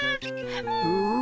うん。